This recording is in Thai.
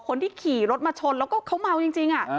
คนที่ขี่รถมาชนแล้วก็เขาเมาจริง